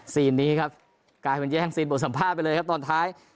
นี้ครับกลายเป็นแย่งซีนบทสัมภาษณ์ไปเลยครับตอนท้าย